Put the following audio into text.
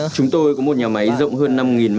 chúng tôi có một nhà máy rộng hơn năm m hai